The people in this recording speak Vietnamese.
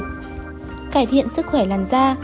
cải thiện sức khỏe làn da